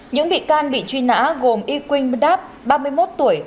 những vị can bị truy nã gồm y quynh mật đáp ba mươi một tuổi